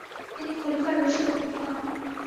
তিনি খলিফার রোষে পতিত হন।